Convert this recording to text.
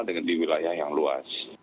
dengan di wilayah yang luas